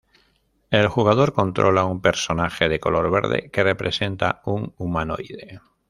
El jugador controla un personaje de color verde, que representa un humanoide.